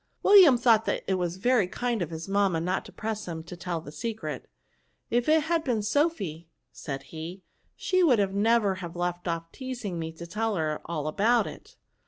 WiUiam thought that it was very kind of his mamma, not to press him to tell the secret; ^^ if it had been Sophy," said he, " she would never have left off teaming me to tell her all about it."